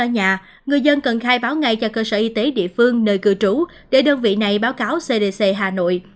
nhà người dân cần khai báo ngay cho cơ sở y tế địa phương nơi cư trú để đơn vị này báo cáo cdc hà nội